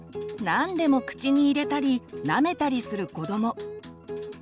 何でも口に入れたりなめたりする子ども。